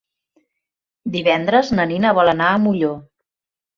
Divendres na Nina vol anar a Molló.